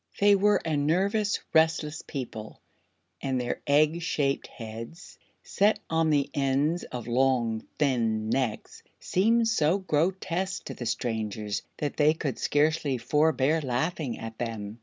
They were a nervous, restless people and their egg shaped heads, set on the ends of long thin necks, seemed so grotesque to the strangers that they could scarcely forbear laughing at them.